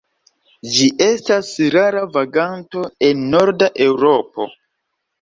Ĝi estas rara vaganto en Norda Eŭropo.